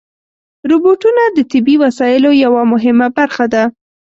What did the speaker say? روبوټونه د طبي وسایلو یوه مهمه برخه ده.